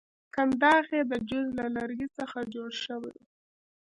کنداغ یې د جوز له لرګي څخه جوړ شوی وو.